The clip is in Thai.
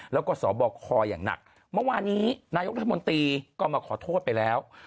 แล้วก็สบคอย่างหนักเมื่อวานี้นายกรัฐมนตรีก็มาขอโทษไปแล้ว